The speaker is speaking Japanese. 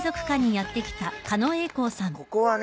ここはね